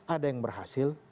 ada yang berhasil